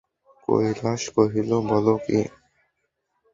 কৈলাস কহিল, বল কী!